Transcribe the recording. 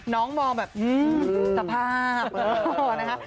น้องมองบอกว่าตาภาพ